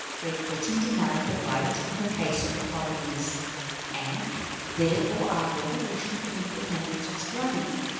Great Britain denied the right in the case of the colonies, and therefore our revolution for independence was bloody.